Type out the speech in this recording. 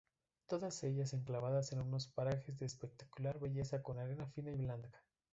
Todas ellas enclavadas en unos parajes de espectacular belleza con arena fina y blanca.